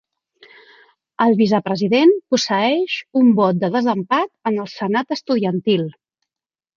El vicepresident posseeix un vot de desempat en el Senat Estudiantil.